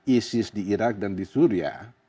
isis di irak dan di syria